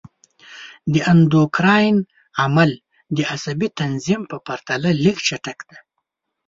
د اندوکراین عمل د عصبي تنظیم په پرتله لږ چټک دی.